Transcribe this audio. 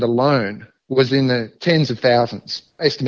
adalah di dalam ratusan ribu